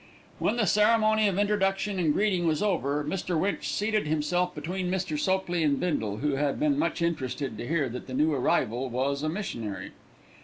When the ceremony of introduction and greeting was over, Mr. Winch seated himself between Mr. Sopley and Bindle, who had been much interested to hear that the new arrival was a missionary.